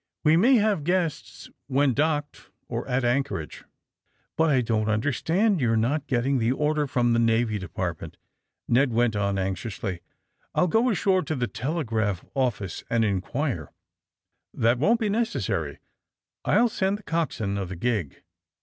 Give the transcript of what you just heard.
We may have guests when docked or at an chorage. ''^^ But I don 't understand your not getting the order from the Navy Department," Ned went on anxiously. *^I'll go ashore to the telegraph office and inquire. " '^That won't be necessary. I'll send the cox swain of the gig."